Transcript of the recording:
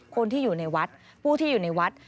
คนที่อยู่ในวัดผู้ที่อยู่ในวัด